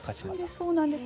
そうなんです。